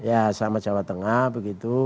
ya sama jawa tengah begitu